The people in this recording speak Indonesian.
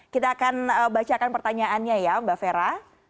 kita akan bacakan pertanyaannya ya mbak fera